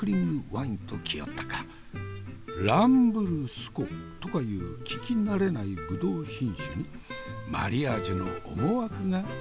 ランブルスコとかいう聞き慣れないブドウ品種にマリアージュの思惑が隠されていそうじゃな。